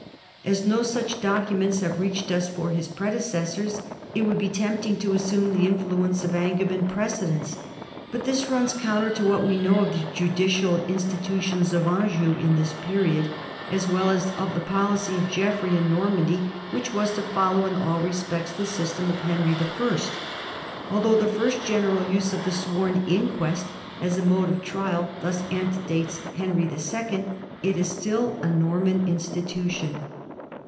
As no such documents have reached us for his predecessors, it would be tempting to assume the influence of Angevin precedents; but this runs counter to what we know of the judicial institutions of Anjou in this period, as well as of the policy of Geoffrey in Normandy, which was to follow in all respects the system of Henry I. Although the first general use of the sworn inquest as a mode of trial thus antedates Henry II, it is still a Norman in stitution.